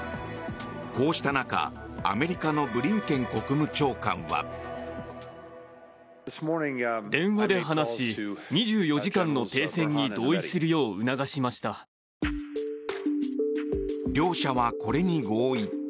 こうした中、アメリカのブリンケン国務長官は。両者は、これに合意。